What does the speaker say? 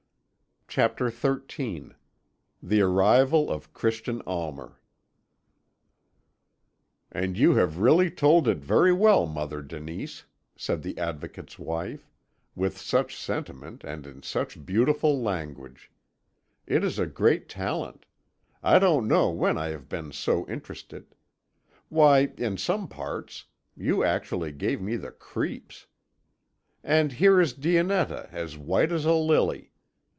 CHAPTER XIII THE ARRIVAL OF CHRISTIAN ALMER "And you have really told it very well, Mother Denise," said the Advocate's wife; "with such sentiment, and in such beautiful language! It is a great talent: I don't know when I have been so interested. Why, in some parts you actually gave me the creeps! And here is Dionetta, as white as a lily.